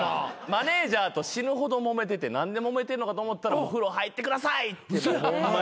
マネジャーと死ぬほどもめてて何でもめてんのかと思ったら風呂入ってくださいってホンマに。